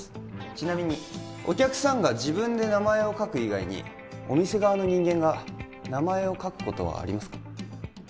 ちなみにお客さんが自分で名前を書く以外にお店側の人間が名前を書くことはありますか？